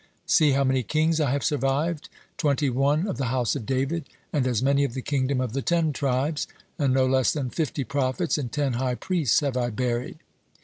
See how many kings I have survived! Twenty one of the House of David, and as many of the Kingdom of the Ten Tribes, and no less than fifty prophets and ten high priests have I buried."